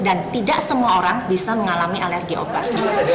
dan tidak semua orang bisa mengalami alergi obat